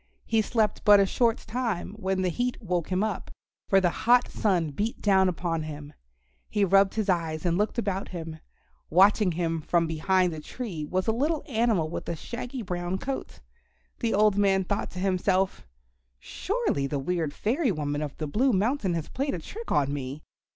He slept but a short time when the heat woke him up, for the hot sun beat down upon him. He rubbed his eyes and looked about him. Watching him from behind a tree was a little animal with a shaggy brown coat. The old man thought to himself, "Surely the weird fairy woman of the Blue Mountain has played a trick on me.